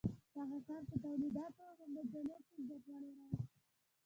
دغه کار په تولیداتو او مبادلو کې زیاتوالی راوست.